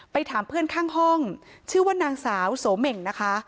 ถามเพื่อนข้างห้องชื่อว่านางสาวโสเหม่งนะคะ